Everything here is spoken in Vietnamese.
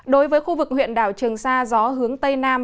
đối với khu vực huyện đảo trường sa gió hướng tây nam